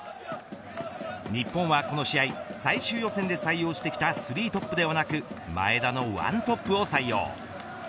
日本はこの試合、最終予選で採用してきた３トップではなく前田の１トップを採用。